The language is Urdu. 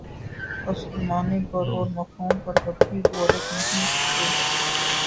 اسک معانی پر اور مفہوم پر کبھی غورک بھی نہیں